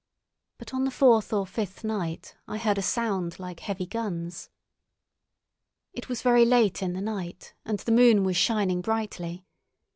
But on the fourth or fifth night I heard a sound like heavy guns. It was very late in the night, and the moon was shining brightly.